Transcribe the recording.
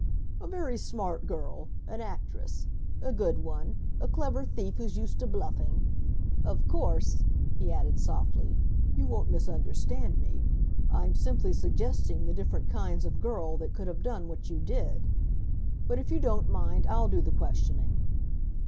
"A very smart girl an actress; a good one; a clever thief who's used to bluffing. Of course," he added softly, "you won't misunderstand me. I'm simply suggesting the different kinds of girl that could have done what you did. But, if you don't mind, I'll do the questioning.